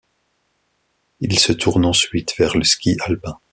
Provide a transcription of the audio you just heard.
Il se tourne ensuite vers le ski alpin.